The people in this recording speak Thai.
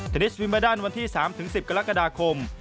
เทนนิสวินเบอร์ดันวันที่๓๑๐กรกฎาคม